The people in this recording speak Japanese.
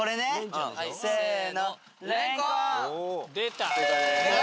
せの！